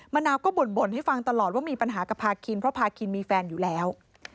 นาวก็บ่นให้ฟังตลอดว่ามีปัญหากับพาคินเพราะพาคินมีแฟนอยู่แล้ว